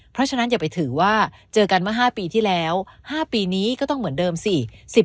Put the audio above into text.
เพราะฉะนั้นอย่าไปถือว่าเจอกันเมื่อ๕ปีที่แล้ว๕ปีนี้ก็ต้องเหมือนเดิมสิ